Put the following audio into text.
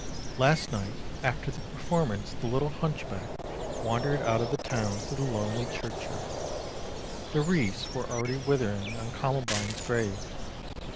" Last night after the performance the little hunchback wandered out of the town to the lonely churchyard. The wreaths were already withering on Columbine's grave.